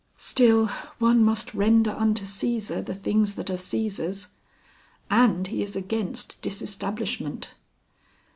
Still, one must render unto Cæsar the things that are Cæsar's. And he is against Disestablishment...."